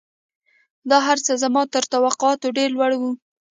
دا هرڅه زما تر توقعاتو ډېر لوړ وو